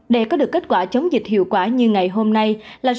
để có được kết quả chống dịch hiệu quả như ngày hôm nay